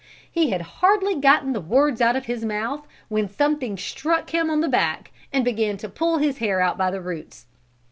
He had hardly gotten the words out of his mouth when something struck him on the back and began to pull his hair out by the roots.